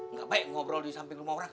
nggak baik ngobrol di samping rumah orang